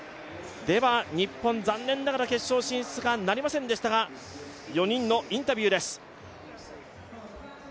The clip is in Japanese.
日本、残念ながら決勝進出はなりませんでしたが４人のインタビューです。